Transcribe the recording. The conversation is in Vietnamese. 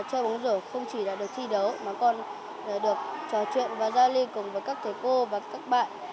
chơi bóng rổ không chỉ là được thi đấu mà con được trò chuyện và giao lê cùng với các thầy cô và các bạn